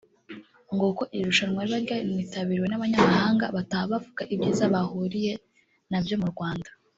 ngo kuko iri rushanwa riba ryanitabiriwe n’abanyamahanga bataha bavuga ibyiza bahuriye na byo mu Rwanda